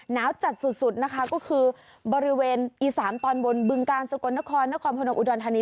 หนาวจัดสุดนะคะก็คือบริเวณอีสานตอนบนบึงกาลสกลนครนครพนมอุดรธานี